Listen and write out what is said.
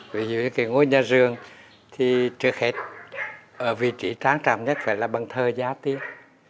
ví dụ như cái ngôi nhà rường thì trước hết ở vị trí trang trọng nhất phải là bần thơ giá tiết